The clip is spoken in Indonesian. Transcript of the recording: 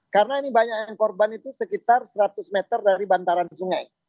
karena ini banyak yang korban itu sekitar seratus meter dari bantaran sungai